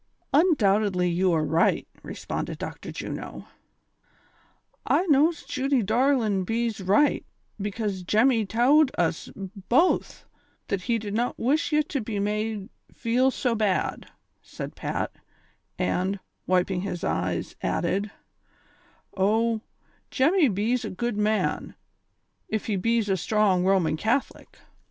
" Undoubtedly you are riglit," responded Dr. Juno. "I knows Judy darlin' bees right, becase Jemmy tould us both that he did not wish ye to be made feel so bad," said Pat, and, wiping his eyes, added :'' O, Jemmy bees a good man, ef he bees a strong Roman Catholic."